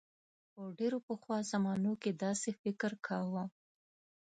په ډیرو پخوا زمانو کې داسې فکر کاؤ.